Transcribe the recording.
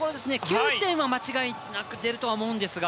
９点は間違いなく出るとは思うんですが。